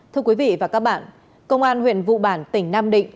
thưa quý vị và các bạn công an huyện vụ bản tỉnh nam định